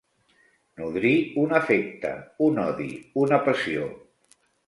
Nodrir un afecte, un odi, una passió.